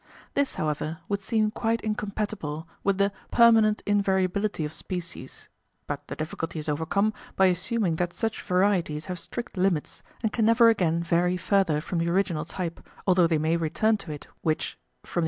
This, however, would seem quite incompatible with the "permanent invariability of species," but the difficulty is overcome by assuming that such varieties have strict limits, and can never again vary further from the original type, although they may return to it, which, from the [[p.